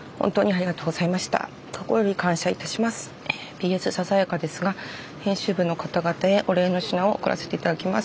「ＰＳささやかですが編集部の方々へお礼の品を贈らせて頂きます。